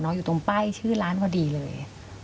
น้องอยู่ตรงป้ายชื่อร้านกว่าดีเลย